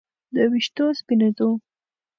د ویښتو سپینېدو